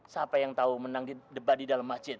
siapa yang tahu menang debat di dalam masjid